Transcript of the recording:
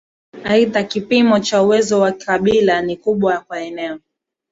Aidha kipimo cha uwezo wa Kabila ni ukubwa wa eneo